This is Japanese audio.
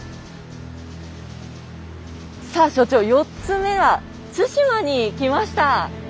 さあ所長４つ目は対馬に来ました。